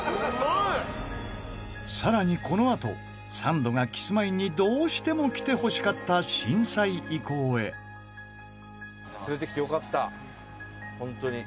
更に、このあとサンドがキスマイにどうしても来てほしかった震災遺構へ伊達：連れてきてよかった本当に。